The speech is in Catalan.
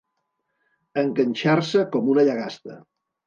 Enganxar-se com una llagasta.